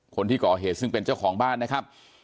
คนที่ก่อเหตุซึ่งเป็นเจ้าของบ้านนะครับ